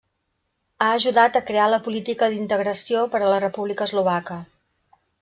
Ha ajudat a crear la Política d'Integració per a la República Eslovaca.